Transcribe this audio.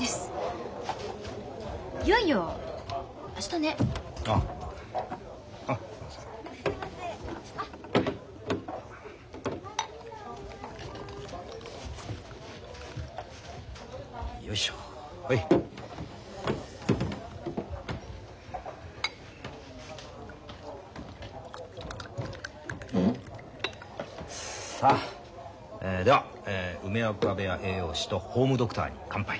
さっでは梅若部屋栄養士とホームドクターに乾杯。